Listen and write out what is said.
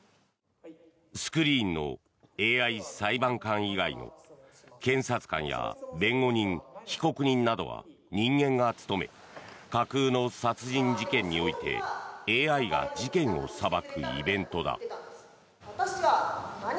スクリーンのＡＩ裁判官以外の検察官や弁護人、被告人などは人間が務め架空の殺人事件においてＡＩが事件を裁くイベントだ。